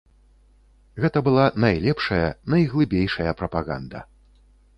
Гэта была найлепшая, найглыбейшая прапаганда.